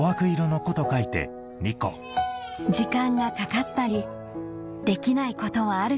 時間がかかったりできないことはある